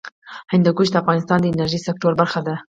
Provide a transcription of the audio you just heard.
هندوکش د افغانستان د انرژۍ سکتور برخه ده.